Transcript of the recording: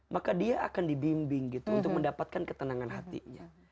maka dia akan dibimbing gitu untuk mendapatkan ketenangan hatinya